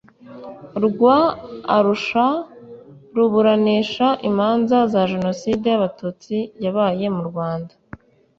rwa arusha ruburanisha imanza za genocide y'abatutsi yabaye mu rwanda